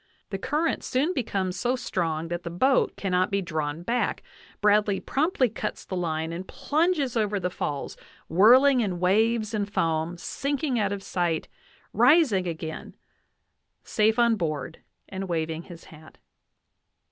The current soon becomes so strong that the boat cannot be drawn back; Bradley promptly cuts the line and plunges over the falls, whirling in waves and foam, sinking out of sight, rising again, safe on board and waving his hat.